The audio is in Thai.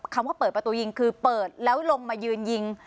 ว่าเปิดประตูยิงคือเปิดแล้วลงมายืนยิง